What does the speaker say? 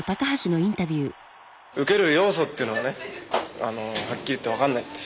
受ける要素っていうのはねはっきり言って分かんないんです。